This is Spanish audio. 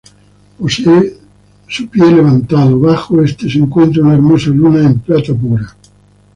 Posee su pie levantado, bajo este se encuentra una hermosa luna en plata pura.